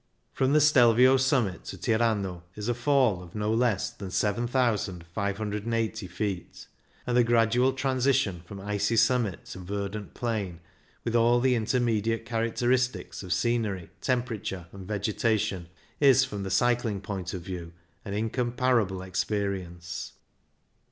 From the Stelvio summit to Tirano is a fall of no less than 7,580 feet, and the gradual tran sition from icy summit to verdant plain, with all the intermediate characteristics of scenery, temperature, and vegetation, is, from the cycling point of view, an incom parable experience.